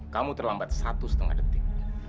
kamu terlambat satu setengah detik